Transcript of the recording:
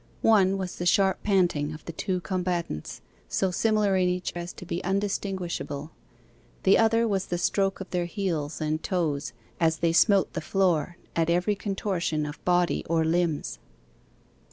One was the sharp panting of the two combatants, so similar in each as to be undistinguishable; the other was the stroke of their heels and toes, as they smote the floor at every contortion of body or limbs.